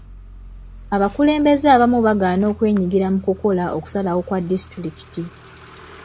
Abakulembeze abamu baagaana okwenyigira mu kukola okusalawo kwa disitulikiti.